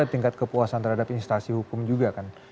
tingkat kepuasan terhadap instasi hukum juga kan